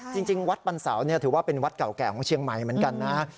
จริงจริงวัดปรรรสาวเนี้ยถือว่าเป็นวัดเก่าแก่ของเชียงใหม่เหมือนกันนะฮะ